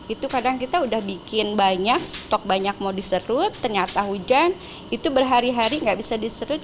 itu kadang kita udah bikin banyak stok banyak mau diserut ternyata hujan itu berhari hari nggak bisa diserut